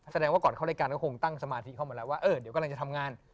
แสดงว่าก่อนเข้ารายการก็คงตั้งสมาธิเข้ามาแล้วว่าเออเดี๋ยวกำลังจะทำงาน